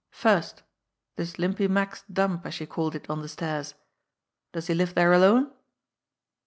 First, this Limpy Mack's dump, as you called it on the stairs. Does he live there alone?"